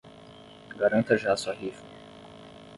Garanta já sua rifa